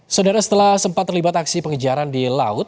saudara setelah sempat terlibat aksi pengejaran di laut